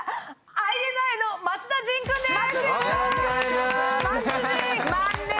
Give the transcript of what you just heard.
ＩＮＩの松田迅君です！